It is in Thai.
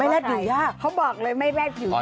ไม่แรดอยู่ยากเขาบอกเลยไม่แรดอยู่ยาก